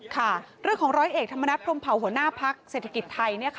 ค่ะเรื่องของร้อยเอกธรรมนัฐพรมเผาหัวหน้าพักเศรษฐกิจไทย